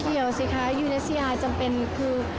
เดี๋ยวสิคะยูเลสเซียจำเป็นคือ